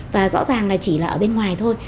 và rõ ràng là chỉ là ở bên ngoài thôi